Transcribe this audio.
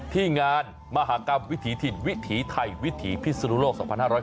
ที่งานมหากรรมวิถีถิ่นวิถีไทยวิถีพิศนุโลก๒๕๖๐